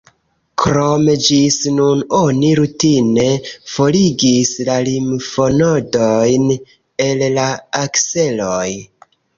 Krome ĝis nun oni rutine forigis la limfonodojn el la akseloj.